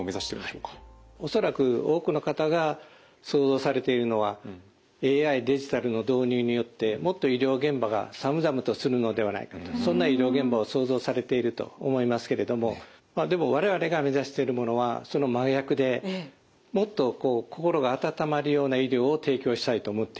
恐らく多くの方が想像されているのはＡＩデジタルの導入によってもっと医療現場が寒々とするのではないかとそんな医療現場を想像されていると思いますけれどもでも我々が目指しているものはその真逆でもっとこう心が温まるような医療を提供したいと思っています。